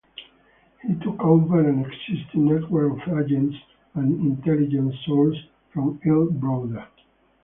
He took over an existing network of agents and intelligence sources from Earl Browder.